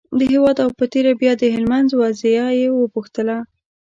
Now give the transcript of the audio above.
د هېواد او په تېره بیا د هلمند وضعه یې پوښتله.